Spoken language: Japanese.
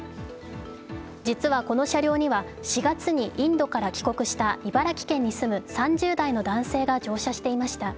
実はこの車両には、４月にインドから帰国した茨城県に住む３０代の男性が乗車していました。